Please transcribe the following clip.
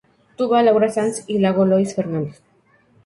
Tuba:Laura Sanz y Iago Lois Fernández.